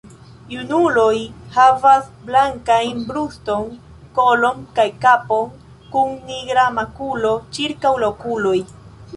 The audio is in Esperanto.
Junuloj havas blankajn bruston, kolon kaj kapon kun nigra makulo ĉirkaŭ la okuloj.